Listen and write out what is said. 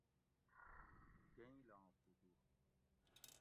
گہیلاں فوٹو